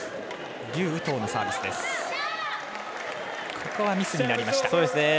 ここはミスになりました。